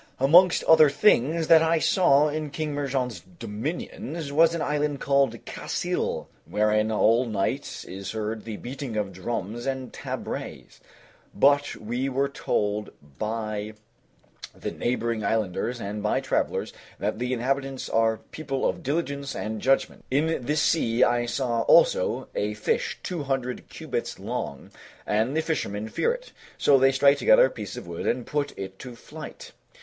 Amongst other things that I saw in King Mihrján's dominions was an island called Kásil, wherein all night is heard the beating of drums and tabrets; but we were told by the neighboring islanders and by travelers that the inhabitants are people of diligence and judgment. In this sea I saw also a fish two hundred cubits long, and the fishermen fear it; so they strike together pieces of wood and put it to flight.